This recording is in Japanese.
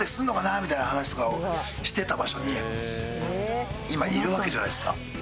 みたいな話とかをしてた場所に今いるわけじゃないですか。